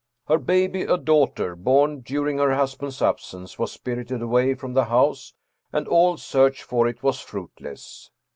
Her baby, a daughter, born during her hus band's absence, was spirited away from the house, and all search for it was fruitless.